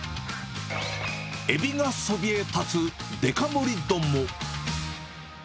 エビがそびえたつデカ盛り丼も。